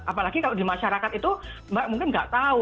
apalagi kalau di masyarakat itu mbak mungkin nggak tahu